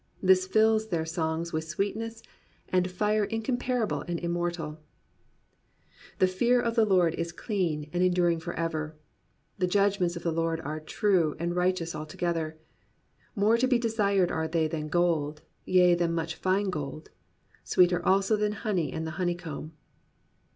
This fills their songs with sweetness and fire incomparable and immortal : The fear of the Lord is clean, enduring for ever: The judgments of the Lord are true and righteous alto gether. More to be desired are they than gold, yea, than much fine gold: Sweeter also than honey and the honeycomb.